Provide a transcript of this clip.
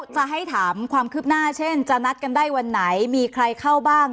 จะให้ถามความคืบหน้าเช่นจะนัดกันได้วันไหนมีใครเข้าบ้าง